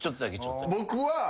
僕は。